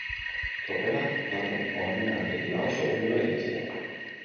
Tropela talde honengandik lau segundora iritsi da.